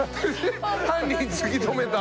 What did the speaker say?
犯人突き止めたあとの。